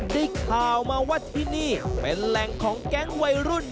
ได้ข่าวมาว่าที่นี่เป็นแหล่งของแก๊งวัยรุ่น